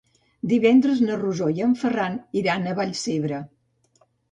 Divendres na Rosó i en Ferran iran a Vallcebre.